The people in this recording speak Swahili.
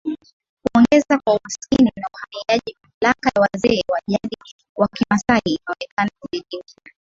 kuongezeka kwa umaskini na uhamiaji mamlaka ya wazee wa jadi wa Kimasai inaonekana kudidimia